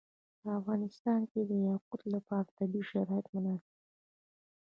په افغانستان کې د یاقوت لپاره طبیعي شرایط مناسب دي.